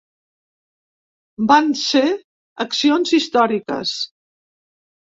Van ser accions històriques.